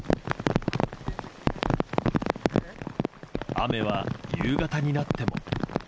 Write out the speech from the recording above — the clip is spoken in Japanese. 雨は夕方になっても。